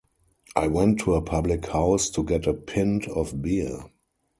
I went to a public house to get a pint of beer.